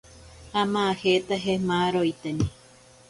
Amajetaje maaroiteni.